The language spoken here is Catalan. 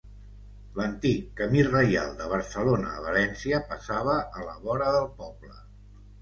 L'antic camí Reial de Barcelona a València passava a la vora del poble.